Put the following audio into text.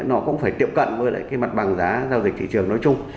nó cũng phải tiệm cận với mặt bằng giá giao dịch thị trường nói chung